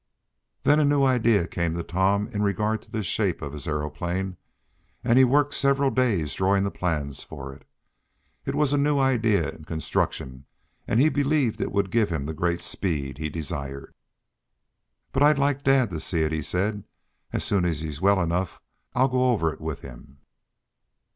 Then a new idea came to Tom in regard to the shape of his aeroplane, and he worked several days drawing the plans for it. It was a new idea in construction, and he believed it would give him the great speed he desired. "But I'd like dad to see it," he said. "As soon as he's well enough I'll go over it with him."